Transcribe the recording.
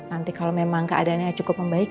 nanti kalau memang keadaannya cukup membaik